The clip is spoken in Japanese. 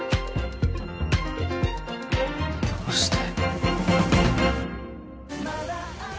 どうして。